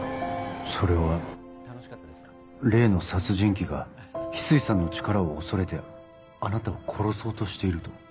それは例の殺人鬼が翡翠さんの力を恐れてあなたを殺そうとしていると？